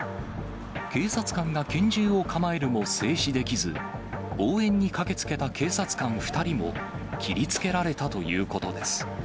警察官が拳銃を構えるも、制止できず、応援に駆けつけた警察官２人も切りつけられたということです。